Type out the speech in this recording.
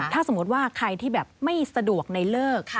ถ้าสมมุติว่าใครที่แบบไม่สะดวกในเลิก